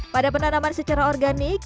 pada penanaman secara organik